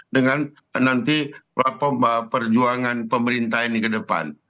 dengan nanti perjuangan pemerintah ini ke depan